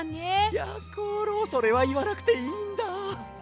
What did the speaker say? やころそれはいわなくていいんだ。